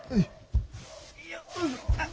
よっ。